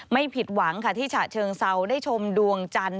ไม่ผิดหวังค่ะที่ฉะเชิงเซาได้ชมดวงจันทร์